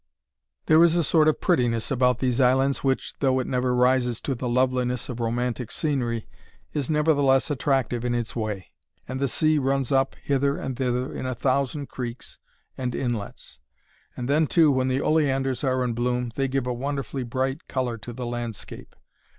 There is a sort of prettiness about these islands which, though it never rises to the loveliness of romantic scenery, is nevertheless attractive in its way. The land breaks itself into little knolls, and the sea runs up, hither and thither, in a thousand creeks and inlets; and then, too, when the oleanders are in bloom, they give a wonderfully bright colour to the landscape.